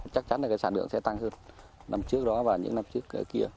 chắc chắn là cái sản lượng sẽ tăng hơn năm trước đó và những năm trước kia